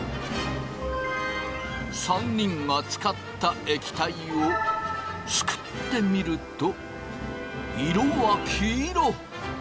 ３人がつかった液体をすくってみると色は黄色！